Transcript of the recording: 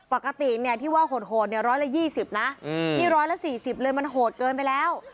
ปกติเนี่ยที่ว่าโหดโหดเนี่ยร้อยละยี่สิบนะอืมนี่ร้อยละสี่สิบเลยมันโหดเกินไปแล้ว